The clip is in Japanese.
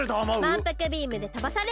まんぷくビームでとばされる。